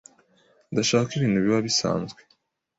Ndashaka ko ibintu biba bisanzwe.